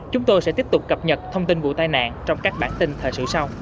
chúng tôi sẽ tiếp tục cập nhật thông tin vụ tai nạn trong các bản tin thời sự sau